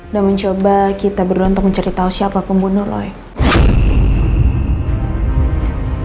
dan mencoba kita berdua untuk mencari tahu siapa pembunuh lo ya